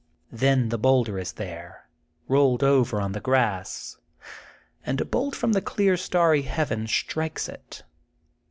Then the boulder is there, rolled over on the grass, and a bolt from the clear starry heaven strikes it.